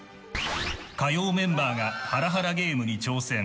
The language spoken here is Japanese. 火曜メンバーがハラハラゲームに挑戦。